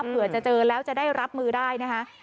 เผื่อจะเจอแล้วจะได้รับมือได้นะคะ